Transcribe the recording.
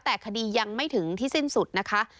แต่คดียังไม่ถึงที่สิ้นสุดนะคะ